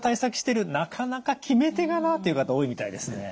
なかなか決め手がなという方多いみたいですね。